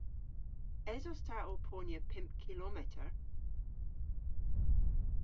Esos ta ow ponya pymp kilometer?